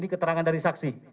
ini keterangan dari saksi